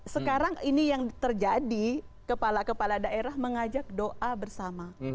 sekarang ini yang terjadi kepala kepala daerah mengajak doa bersama